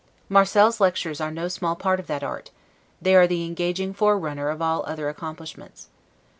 Marcel's lectures are no small part of that art: they are the engaging forerunner of all other accomplishments.